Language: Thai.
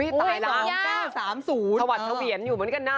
ขวัดทะเวียนอยู่เหมือนกันนะ